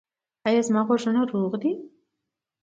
ایا زما غوږونه روغ دي؟